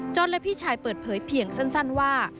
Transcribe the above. และพี่ชายเปิดเผยเพียงสั้นว่า